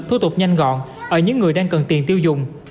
thu tục nhanh gọn ở những người đang cần tiền tiêu dùng